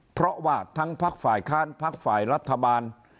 เพราะว่าทั้งพักฝ่ายค้านพักฝ่ายรัฐบาล